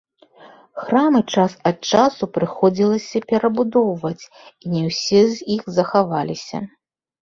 Храмы час ад часу прыходзілася перабудоўваць, і не ўсе з іх захаваліся.